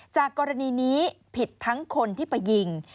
จากกรณีนี้ผิดทั้งคนที่ไปยิง